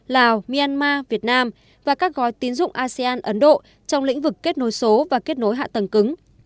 lào myanmar việt nam và các gói tín dụng asean ấn độ trong lĩnh vực kết nối số và kết nối hạ tầng cứng